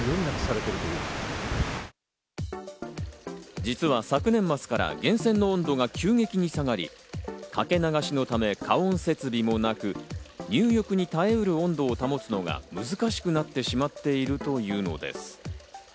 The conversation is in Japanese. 実は昨年末から源泉の温度が急激に下がり、掛け流しのため加温設備もなく、入浴に耐えうる温度を保つのが難しくなってしまっているというのです。